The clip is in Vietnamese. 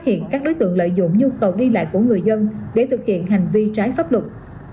hiện các đối tượng lợi dụng nhu cầu đi lại của người dân để thực hiện hành vi trái pháp luật